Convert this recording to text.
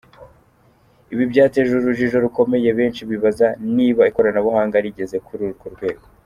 Ibi byateje urujijo rukomeye benshi bibaza niba ikoranabuhanga rigeze kuri urwo rwego.